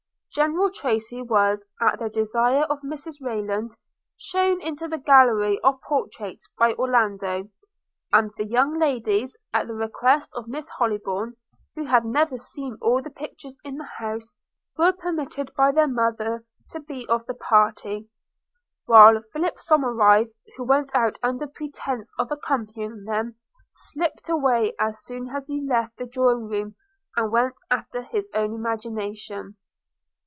General Tracy was, at the desire of Mrs Rayland, shewn into the gallery of portraits by Orlando – and the young ladies, at the request of Miss Hollybourn, who had never seen all the pictures in the house, were permitted by their mother to be of the party; while Philip Somerive, who went out under pretence of accompanying them, slipped away as soon as he left the drawing room and went after his own imagination.